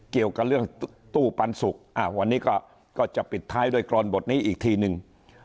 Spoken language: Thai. เกี่ยวกับเรื่องตู้ปันสุกวันนี้ก็จะปิดท้ายด้วยกรอนบทนี้อีกทีนึง